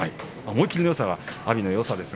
思い切りのよさは阿炎のよさです。